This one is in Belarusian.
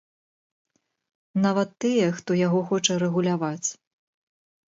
Нават тыя, хто яго хоча рэгуляваць.